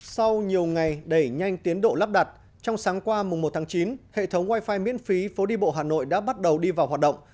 sau nhiều ngày đẩy nhanh tiến độ lắp đặt trong sáng qua một tháng chín hệ thống wifi miễn phí phố đi bộ hà nội đã bắt đầu đi vào hoạt động